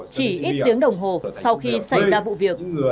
chỉ ít tiếng đồng hồ sau khi xảy ra vụ việc